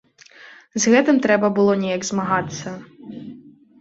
З гэтым трэба было неяк змагацца.